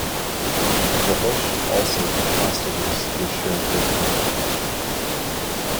Jehoash also took hostages to assure good conduct.